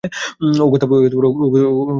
ও কথা বলবে এখন?